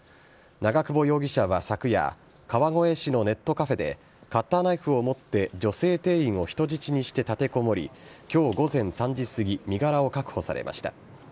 長久保容疑者は昨夜川越市のネットカフェでカッターナイフを持って女性店員を人質にして立てこもり今日午前３時すぎ身柄を確保されました。